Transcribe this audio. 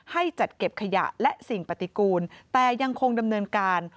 ให้จัดเก็บขยะและสิ่งปฏิกูลแต่ยังคงดำเนินการ